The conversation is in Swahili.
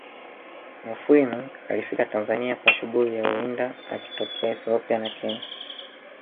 Mufwimi alifika Tanzania kwa shughuli ya uwinda akitokea Ethiopia na kenya